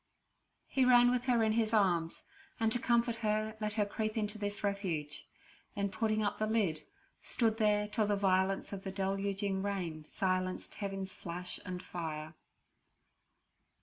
He ran with her in his arms, and to comfort her let her creep into this refuge; then putting up the lid, stood there till the violence of the deluging rain silenced heaven's flash and fire.